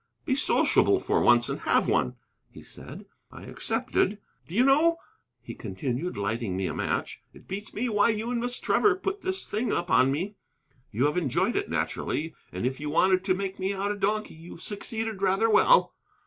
"Be sociable for once, and have one," he said. I accepted. "Do you know," he continued, lighting me a match, "it beats me why you and Miss Trevor put this thing up on me. You have enjoyed it, naturally, and if you wanted to make me out a donkey you succeeded rather well.